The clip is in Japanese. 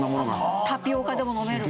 タピオカでも飲める。